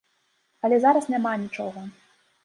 Але зараз няма нічога.